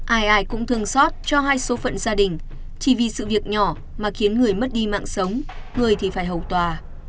ai ai cũng thường xót cho hai số phận gia đình chỉ vì sự việc nhỏ mà khiến người mất đi mạng sống người thì phải hầu tòa